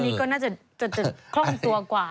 นี่ก็น่าจะคล่องตัวกว่า